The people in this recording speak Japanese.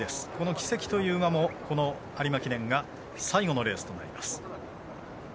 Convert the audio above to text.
キセキという馬も有馬記念が最後のレースとなります。